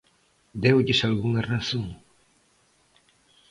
Deulles algunha razón?